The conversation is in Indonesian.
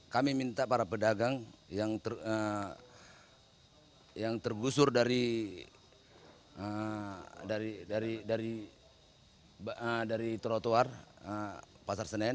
kami minta para pedagang yang tergusur dari trotoar pasar senen